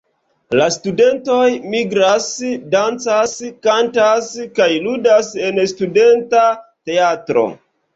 La studentoj migras, dancas, kantas kaj ludas en studenta teatro.